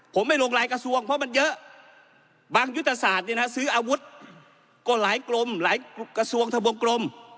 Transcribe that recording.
ผมไม่ลงรายกระทรวงเพราะมันเยอะบางยุทธศาสตร์ซื้ออาวุธก็หลายกรมหลายกระทรวงทะวงกลม